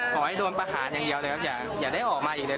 ขอให้โดนประหารอย่างเดียวเลยครับอย่าได้ออกมาอีกเลย